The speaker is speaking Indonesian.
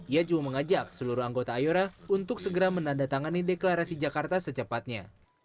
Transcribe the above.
ia juga mengajak seluruh anggota ayora untuk segera menandatangani deklarasi jakarta secepatnya